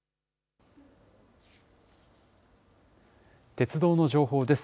鉄道の情報です。